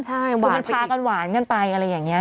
คือมันพากันหวานกันไปอะไรอย่างนี้